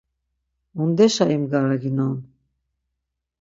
Mundeşa imgaraginon?